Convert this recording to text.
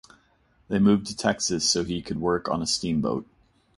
They moved to Texas so he could work on a steamboat.